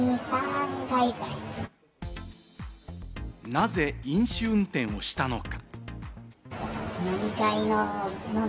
なぜ飲酒運転をしたのか？